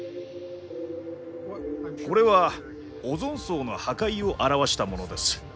これはオゾン層の破壊を表したものです。